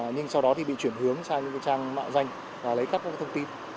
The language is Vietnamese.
nhưng sau đó thì bị chuyển hướng sang những cái trang mạng danh và lấy cắt các cái thông tin